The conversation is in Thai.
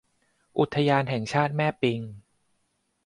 อุทยานแห่งชาติแม่ปิง